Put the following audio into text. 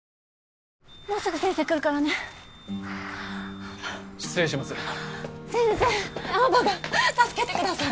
もうすぐ先生来るからね失礼します先生青葉が助けてください